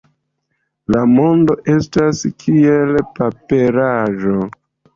La mondo estas kiel paperaĵo.